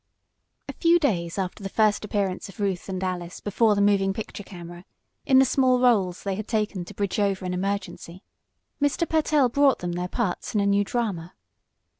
A few days after the first appearance of Ruth and Alice before the moving picture camera, in the small rôles they had taken to bridge over an emergency, Mr. Pertell brought them their parts in a new drama.